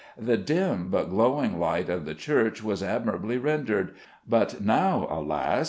The dim but glowing light of the church was admirably rendered, but now, alas!